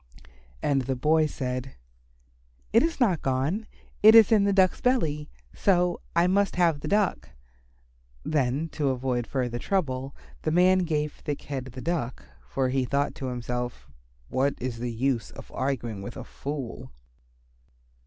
And the boy said, "It is not gone. It is in the Duck's belly. So I must have the Duck." Then to avoid further trouble the man gave Thick head the Duck, for he thought to himself, "What is the use of arguing with a fool."